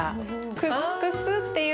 クスクスっていうの。